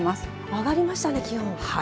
上がりましたね、気温。